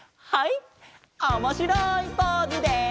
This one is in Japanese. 「おもしろいポーズで」